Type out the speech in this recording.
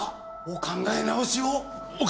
お考え直しを！